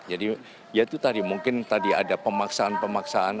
jadi ya itu tadi mungkin ada pemaksaan pemaksaan